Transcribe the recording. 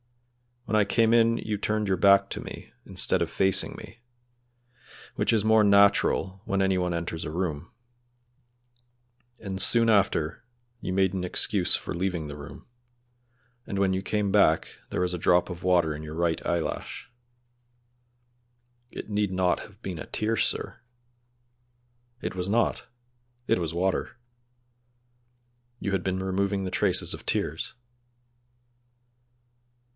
"When I came in you turned your back to me, instead of facing me, which is more natural when any one enters a room; and soon after you made an excuse for leaving the room, and when you came back there was a drop of water in your right eyelash." "It need not have been a tear, sir!" "It was not; it was water. You had been removing the traces of tears."